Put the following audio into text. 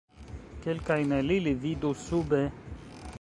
Kelkajn el ili vidu sube.